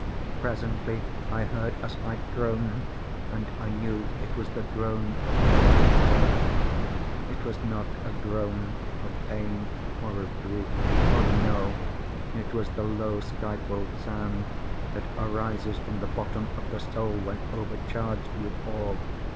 Presently I heard a slight groan, and I knew it was the groan of mortal terror. It was not a groan of pain or of grief—oh, no!—it was the low stifled sound that arises from the bottom of the soul when overcharged with awe.